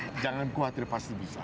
tapi jangan khawatir pasti bisa